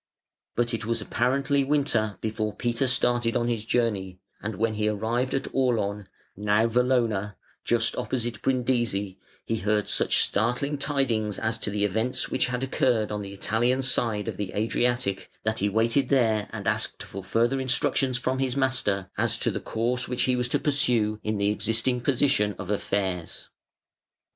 But it was apparently winter before Peter started on his journey, and when he arrived at Aulon (now Valona), just opposite Brindisi, he heard such startling tidings as to the events which had occurred on the Italian side of the Adriatic, that he waited there and asked for further instructions from his master as to the course which he was to pursue in the existing position of affairs.